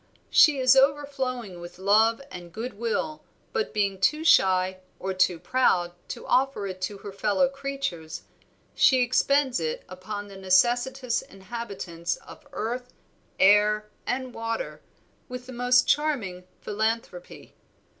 "She is overflowing with love and good will, but being too shy or too proud to offer it to her fellow creatures, she expends it upon the necessitous inhabitants of earth, air, and water with the most charming philanthropy.